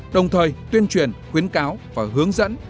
đồng thời tuyên truyền khuyến cáo và hướng dẫn